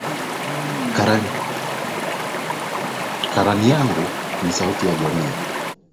Karani yangu ni sauti ya jamii.